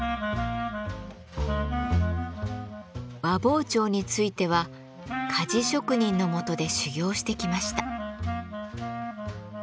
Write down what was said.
和包丁については鍛冶職人の下で修業してきました。